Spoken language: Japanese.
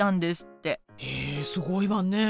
へえすごいわねえ。